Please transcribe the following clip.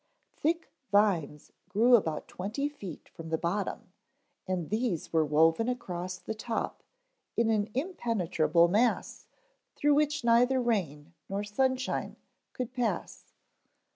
Thick vines grew about twenty feet from the bottom and these were woven across the top in an impenetrable mass through which neither rain nor sunshine could pass.